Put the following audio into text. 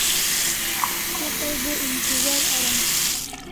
Te tai bo intizar aran